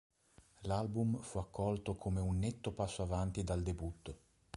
L'album fu accolto come un netto passo avanti dal debutto.